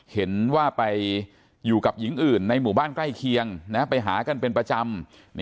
เห็นว่าไปอยู่กับหญิงอื่นในหมู่บ้านใกล้เคียงไปหากันเป็นประจำ